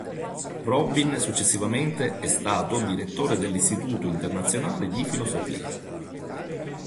Robin successivamente è stato Direttore dell'Istituto Internazionale di Filosofia.